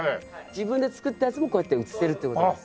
自分で作ったやつもこうやって映せるって事ですね。